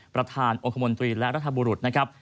ประธานองคมนตรีและรัฐบุรุษนะครับ